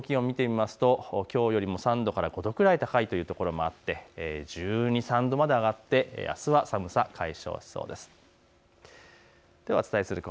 各地の最高気温を見てみますときょうよりも３度から５度くらい高い所もあって１２、１３度まで上がってあすは寒さ解消しそうです。